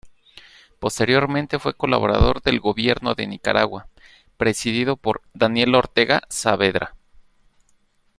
Posteriormente fue colaborador del Gobierno de Nicaragua, presidido por Daniel Ortega Saavedra.